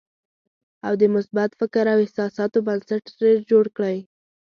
او د مثبت فکر او احساساتو بنسټ ترې جوړ کړئ.